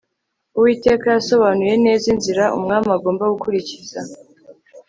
uwiteka yasobanuye neza inzira umwami agomba gukurikiza